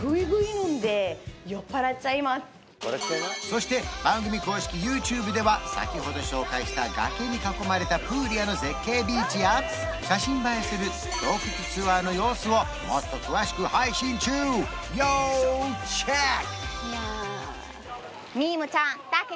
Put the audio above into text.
そして番組公式ＹｏｕＴｕｂｅでは先ほど紹介した崖に囲まれたプーリアの絶景ビーチや写真映えする洞窟ツアーの様子をもっと詳しく配信中要チェック！